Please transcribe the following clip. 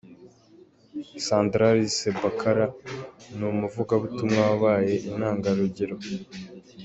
Sandrali Sebakara: Ni umuvugabutumwa wabaye intangarugero.